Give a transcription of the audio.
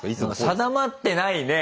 定まってないね